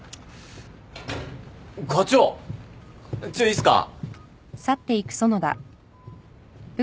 ・課長ちょいいいっすか？